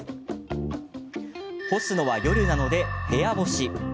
干すのは夜なので部屋干し。